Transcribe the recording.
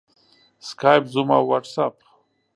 سکایپ، زوم او واټساپ